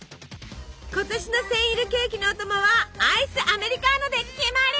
今年のセンイルケーキのお供はアイスアメリカーノで決まり！